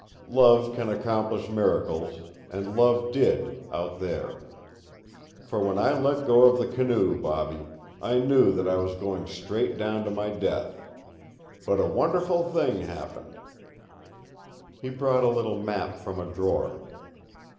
Love can accomplish miracles; and love did out there. For when I let go of the canoe, Bobby, I knew that I was going straight down to my death. But a wonderful thing happened." He brought a little map from a drawer.